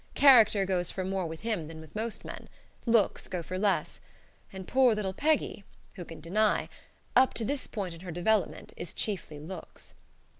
Character goes for more with him than with most men; looks go for less; and poor little Peggy who can deny? up to this point in her development is chiefly looks.